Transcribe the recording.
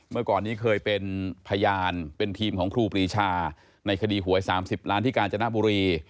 เมื่อก่อนนี้เคยเป็นพยานเป็นทีมของครูปรีชาในคดีหวย๓๐ล้านที่กาญจนบุรี